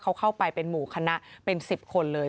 เขาเข้าไปเป็นหมู่คณะเป็น๑๐คนเลย